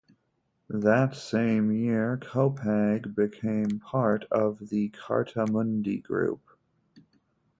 That same year, Copag became part of the Cartamundi group.